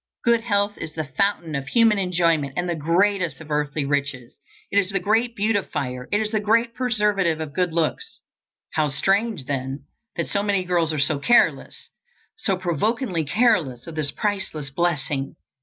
Good health is the fountain of human enjoyment and the greatest of earthly riches. It is the great beautifier; it is the great preservative of good looks. How strange, then, that so many girls are so careless, so provokingly careless, of this priceless blessing!